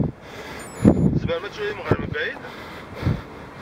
Tzemrem ad twalim ɣer mebɛid?